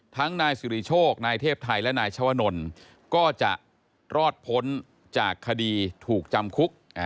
นายสิริโชคนายเทพไทยและนายชวนลก็จะรอดพ้นจากคดีถูกจำคุก